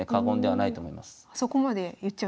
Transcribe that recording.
はい。